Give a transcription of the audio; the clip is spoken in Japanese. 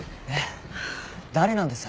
誰なんです？